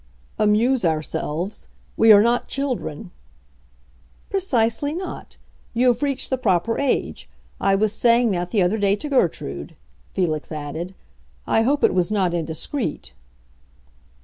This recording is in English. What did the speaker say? "Amuse ourselves? We are not children." "Precisely not! You have reached the proper age. I was saying that the other day to Gertrude," Felix added. "I hope it was not indiscreet."